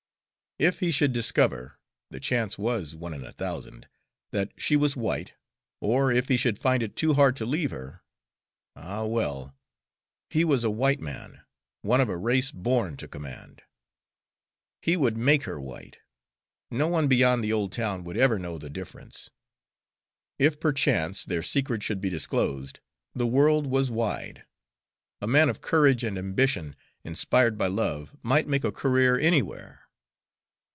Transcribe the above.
If he should discover the chance was one in a thousand that she was white; or if he should find it too hard to leave her ah, well! he was a white man, one of a race born to command. He would make her white; no one beyond the old town would ever know the difference. If, perchance, their secret should be disclosed, the world was wide; a man of courage and ambition, inspired by love, might make a career anywhere.